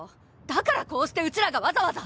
だからこうしてうちらがわざわざ。